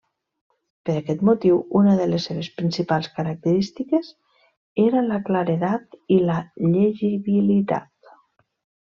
Per aquest motiu, una de les seves principals característiques era la claredat i la llegibilitat.